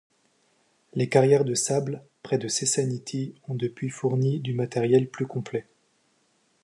Les carrières de sable près de Cessaniti ont depuis fourni du matériel plus complet.